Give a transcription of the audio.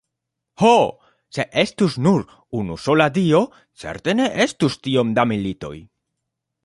Ho, se estus nur unusola Dio, certe ne estus tiom da militoj.